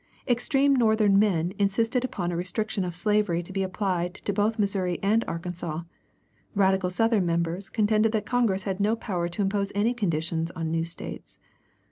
Extreme Northern men insisted upon a restriction of slavery to be applied to both Missouri and Arkansas; radical Southern members contended that Congress had no power to impose any conditions on new States.